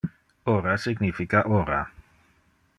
Ora significa ora.